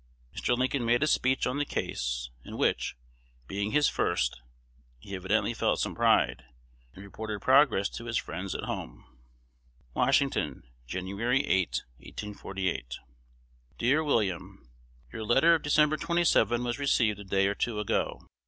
Mr. Lincoln made a speech on the case, in which, being his first, he evidently felt some pride, and reported progress to his friends at home: Washington, Jan. 8, 1848. Dear William, Your letter of Dec. 27 was received a day or two ago.